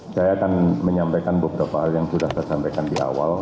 saya akan menyampaikan beberapa hal yang sudah saya sampaikan di awal